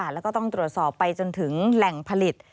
แล้วก็ต้องตรวจสอบไปจนถึงแหล่งผลิต